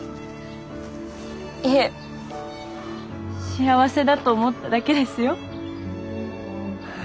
いえ幸せだと思っただけですよ。